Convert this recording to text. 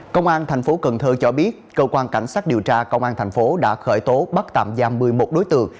công an thành phố cần thơ cho biết cơ quan cảnh sát điều tra công an thành phố đã khởi tố bắt tạm giam một mươi một đối tượng